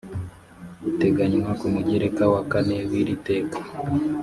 buteganywa ku mugereka wa kane w iri teka